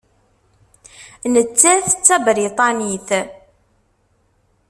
Nettat d Tabriṭanit.